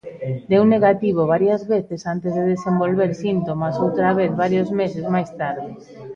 Deu negativo varias veces antes de desenvolver síntomas outra vez varios meses máis tarde.